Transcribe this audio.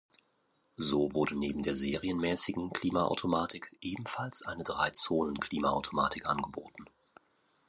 So wurde neben der serienmäßigen Klimaautomatik ebenfalls eine Drei-Zonen-Klimaautomatik angeboten.